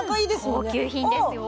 高級品ですよ。